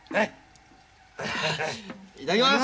いただきます。